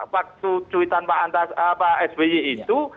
pak tuitan pak sby itu